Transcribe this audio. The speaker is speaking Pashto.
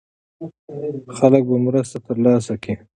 خلک به مرسته ترلاسه کړي.